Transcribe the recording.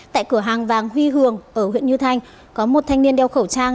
tại cửa hàng vàng huy hường ở huyện như thanh có một thanh niên đeo khẩu trang